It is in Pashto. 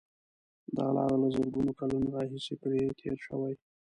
دا لاره له زرګونو کلونو راهیسې پرې تېر شوي.